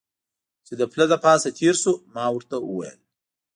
چې د پله له پاسه تېر شو، ما ورته وویل.